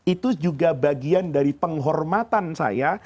itu juga bagian dari penghormatan saya